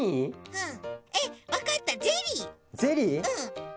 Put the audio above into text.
うん。